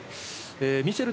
ミシェル